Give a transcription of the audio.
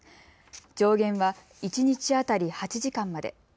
上限は一日当たり８時間まで。